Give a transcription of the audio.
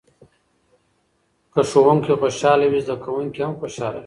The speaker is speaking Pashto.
که ښوونکی خوشحاله وي زده کوونکي هم خوشحاله وي.